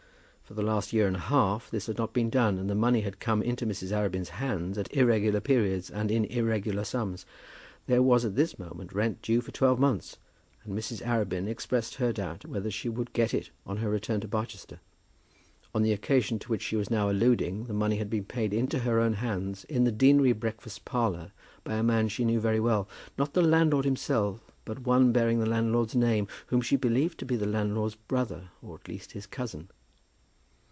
For the last year and a half this had not been done, and the money had come into Mrs. Arabin's hands at irregular periods and in irregular sums. There was at this moment rent due for twelve months, and Mrs. Arabin expressed her doubt whether she would get it on her return to Barchester. On the occasion to which she was now alluding, the money had been paid into her own hands, in the deanery breakfast parlour, by a man she knew very well, not the landlord himself, but one bearing the landlord's name, whom she believed to be the landlord's brother, or at least his cousin.